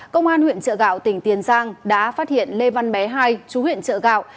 công an huyện trợ gạo tỉnh tiền giang đã phát hiện lê văn bé hai chú huyện trợ gạo